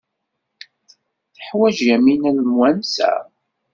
Teḥwaj Yamina lemwansa?